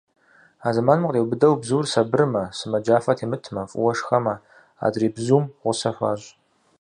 А зэманым къриубыдэу бзур сабырмэ, сымаджафэ темытмэ, фӏыуэ шхэмэ, адрей бзум гъусэ хуащӏ.